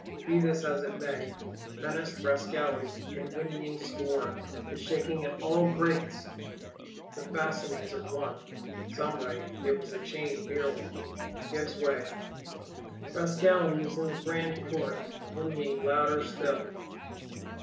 Be this as it may, menaced Rascality, in whinnying scorn, is shaking at all Grates: the fastening of one (some write, it was a chain merely) gives way; Rascality is in the Grand Court, whinnying louder still.